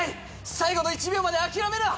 最後の一秒まで諦めるな！